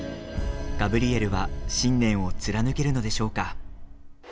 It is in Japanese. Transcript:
ガブリエルは信念を貫けるのでしょうか？